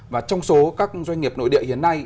và trong số các doanh nghiệp nội địa hiện nay